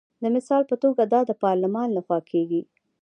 د مثال په توګه دا د پارلمان لخوا کیږي.